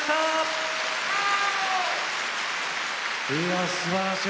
いやすばらしい。